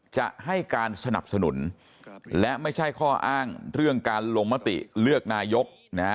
จะให้การสนับสนุนและไม่ใช่ข้ออ้างเรื่องการลงมติเลือกนายก